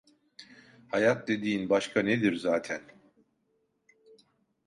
Hayat dediğin başka nedir zaten?